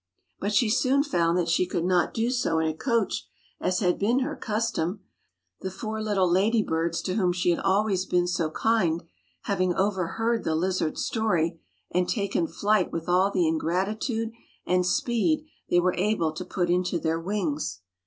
But she soon found that she could not do so in a coach, as had been her custom, the four little lady birds to whom she had always been so kind having over heard the lizard's story, and taken flight with all the ingratitude and speed they were able to put into their wings.